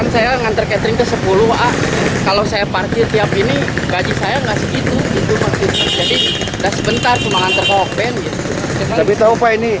setiap hari tahu pun sudah digembosi ini